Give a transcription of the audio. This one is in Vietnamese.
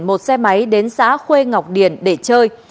một xe máy đến xã khuê ngọc điền để chơi